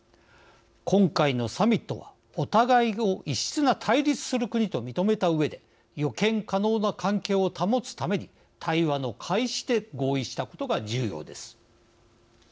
今回のサミットはお互いを異質な対立する国と認めたうえで予見可能な関係を保つために対話の開始で合意したことが重要です。